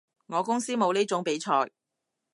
我公司冇呢種比賽